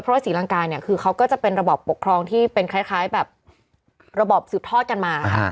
เพราะว่าศรีลังกาเนี่ยคือเขาก็จะเป็นระบบปกครองที่เป็นคล้ายแบบระบบสืบทอดกันมา